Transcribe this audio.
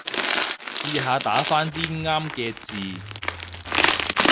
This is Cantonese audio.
試下打返啲啱嘅字